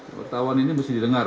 wartawan ini mesti didengar